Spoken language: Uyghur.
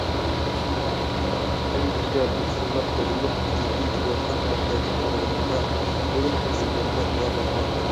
ئەل ئىچىدە، بۇ ئىسىملار توغرۇلۇق ئېيتىلىۋاتقان تەرىپلەرنى ئاڭلىغىنىمدا، تولىمۇ خۇرسەن بولىمەن ۋە پەخىرلىنىمەن.